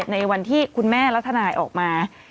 ในวันที่คุณแม่และทนายออกมา